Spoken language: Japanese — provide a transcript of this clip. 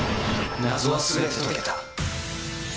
謎は全て解けた。